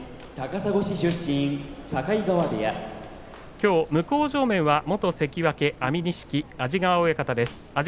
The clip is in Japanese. きょう向正面は、元関脇安美錦の安治川親方です。